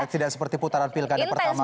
tidak seperti putaran pilkada pertama